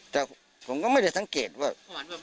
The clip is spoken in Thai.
แต่ผมก็ไม่ได้สังเกตว่า